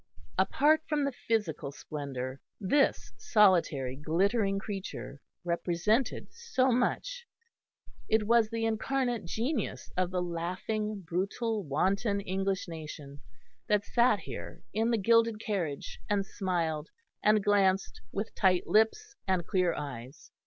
Apart from the physical splendour, this solitary glittering creature represented so much it was the incarnate genius of the laughing, brutal, wanton English nation, that sat here in the gilded carriage and smiled and glanced with tight lips and clear eyes.